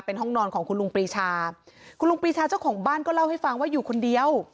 เป็นห้องนอนของคุณลุงปรีชาคุณลุงปรีชาเจ้าของบ้านก็เล่าให้ฟังว่าอยู่คนเดียว